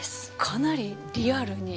かなりリアルに。